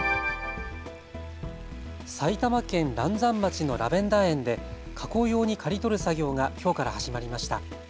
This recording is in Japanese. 埼玉県嵐山町のラベンダー園で加工用に刈り取る作業がきょうから始まりました。